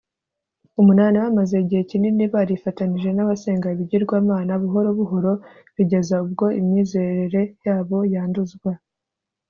viii. . Bamaze igihe kinini barifatanije n’abasenga ibigirwamana, buhoro buhoro bigeza ubwo imyizerere yabo yanduzwa